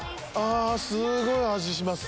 すごい味します。